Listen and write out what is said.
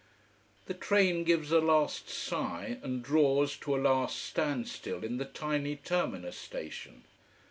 The train gives a last sigh, and draws to a last standstill in the tiny terminus station.